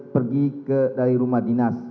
pergi dari rumah dinas